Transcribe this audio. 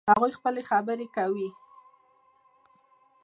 هغوی خپلې خبرې کوي